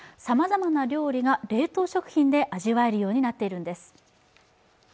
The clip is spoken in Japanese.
さまざまな料理が冷凍食品が味わえるようになっているんです。